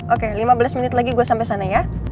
oke lima belas menit lagi gue sampai sana ya